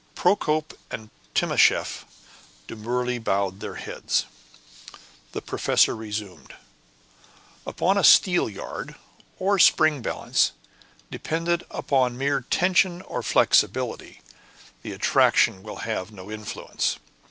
Procope and Timascheff demurely bowed their heads. The professor resumed. "Upon a steelyard, or spring balance, dependent upon mere tension or flexibility, the attraction will have no influence.